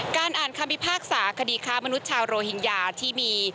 อ่านคำพิพากษาคดีค้ามนุษย์ชาวโรฮิงญาที่มี